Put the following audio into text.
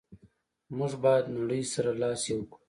موږ باید نړی سره لاس یو کړو.